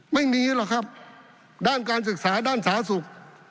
ไม่มีแหละครับด้านการศึกษาด้านสาสุข